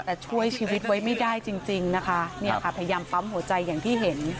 แต่ช่วยชีวิตไว้ไม่ได้จริงจริงนะคะเนี่ยค่ะพยายามปั๊มหัวใจอย่างที่เห็น